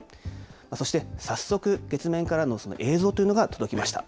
そして早速、月面からの映像というのが届きました。